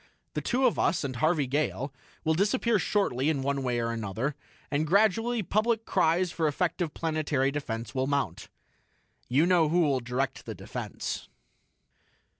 The two of us, and Harvey Gale, will disappear shortly in one way or another, and gradually public cries for effective planetary defense will mount. "You know who will direct the defense."